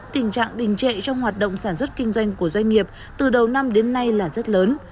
tình trạng đình trệ trong hoạt động sản xuất kinh doanh của doanh nghiệp từ đầu năm đến nay là rất lớn